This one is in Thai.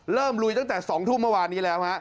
ลุยตั้งแต่๒ทุ่มเมื่อวานนี้แล้วฮะ